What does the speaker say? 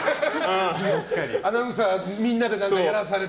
アナウンサーみんなでやらされて。